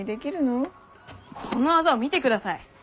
このあざを見てください。